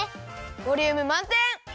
ボリュームまんてん！